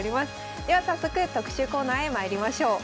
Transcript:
では早速特集コーナーへまいりましょう。